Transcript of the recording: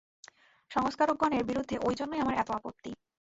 সংস্কারকগণের বিরুদ্ধে ঐ জন্যই আমার এত আপত্তি।